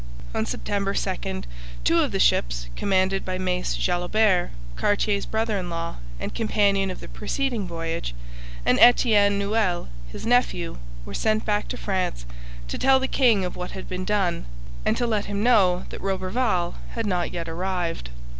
On September 2 two of the ships, commanded by Mace Jalobert, Cartier's brother in law and companion of the preceding voyage, and Etienne Nouel, his nephew, were sent back to France to tell the king of what had been done, and to let him know that Roberval had not yet arrived.